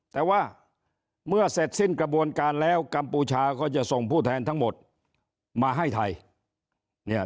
แต่ว่าเมื่อเสร็จสิ้นกระบวนการแล้วกัมพูชาก็จะส่งผู้แทนทั้งหมดมาให้ไทย